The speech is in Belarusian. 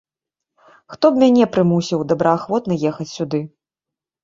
Хто б мяне прымусіў добраахвотна ехаць сюды?!